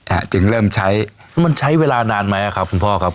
ฮะจึงเริ่มใช้มันใช้เวลานานไหมอ่ะครับคุณพ่อครับ